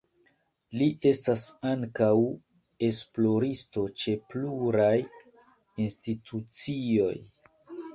Li estas ankaŭ esploristo ĉe pluraj institucioj.